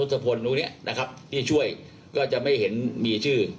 พลตรงนี้นะครับที่ช่วยก็จะไม่เห็นมีชื่อ